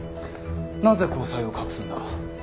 なぜ交際を隠すんだ？